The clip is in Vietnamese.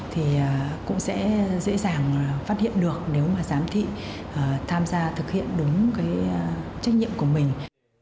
thì cũng sẽ dễ dàng phát hiện được nếu mà giám thị tham gia thực hiện đúng cái trách nhiệm của mình